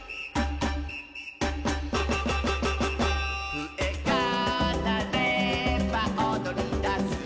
「ふえがなればおどりだす」